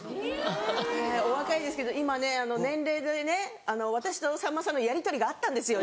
お若いですけど今ね年齢でね私とさんまさんのやりとりがあったんですよ